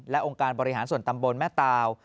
และองค์การบริหารส่วนตำบลแม่ตาว